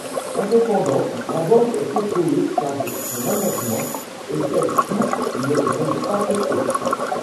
Indépendante, la banque est contrôlée par son management et celle-ci n’est donc pas cotée.